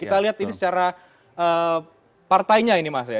kita lihat ini secara partainya ini mas ya